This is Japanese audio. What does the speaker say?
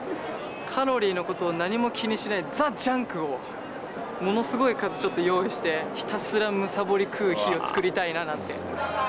カロリーのことを何も気にしないで、ザ・ジャンクをものすごい数、用意してひたすら貪り食う日を作りたいななんて。